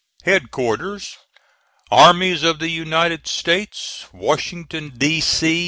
HEADQUARTERS ARMIES OF THE UNITED STATES, WASHINGTON, D. C.